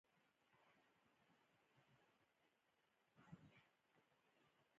نفت د افغانستان د بشري فرهنګ برخه ده.